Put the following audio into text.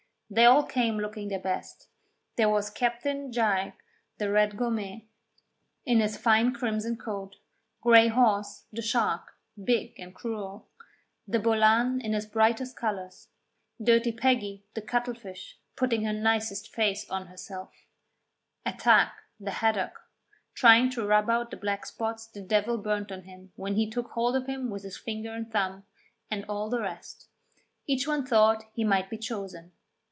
They all came looking their best there was Captain Jiarg, the Red Gurnet, in his fine crimson coat; Grey Horse, the Shark, big and cruel; the Bollan in his brightest colours; Dirty Peggy, the Cuttle fish, putting her nicest face on herself; Athag, the Haddock, trying to rub out the black spots the devil burnt on him when he took hold of him with his finger and thumb, and all the rest. Each one thought he might be chosen.